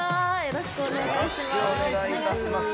よろしくお願いします。